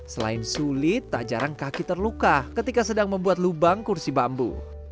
selain sulit tak jarang kaki terluka ketika sedang membuat lubang kursi bambu